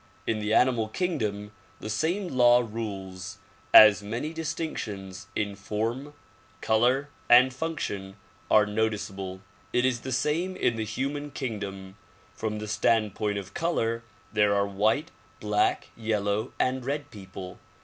In the animal kingdom the same law rules, as many distinctions in form, color and function are noticeable. It is the same in the human kingdom. From the standpoint of color, there are white, black, yellow and red people.